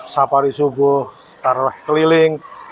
safari subuh taruh keliling